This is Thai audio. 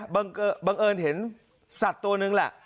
บังเอิญเห็นสัตว์ตัวนึงแหละ